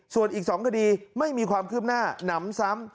ส่วนอีก๒คดีไม่มีความคืบหน้าหนำซ้ำ